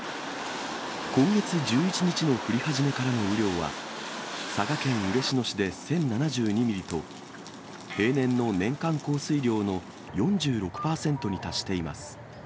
今月１１日の降り始めからの雨量は、佐賀県嬉野市で１０７２ミリと、平年の年間降水量の４６％に達しています。